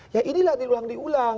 ya inilah diulang diulang